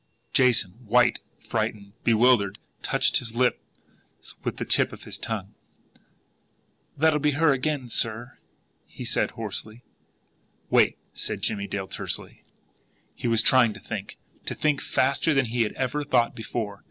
Jason, white, frightened, bewildered, touched his lips with the tip of his tongue. "That'll be her again, sir," he said hoarsely. "Wait!" said Jimmie Dale tersely. He was trying to think, to think faster than he had ever thought before.